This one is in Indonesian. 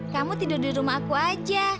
kamu tidur di rumah aku aja